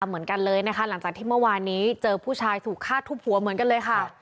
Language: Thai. เหมือนกันเลยนะคะหลังจากที่เมื่อวานนี้เจอผู้ชายถูกฆาตทุบหัวเหมือนกันเลยค่ะ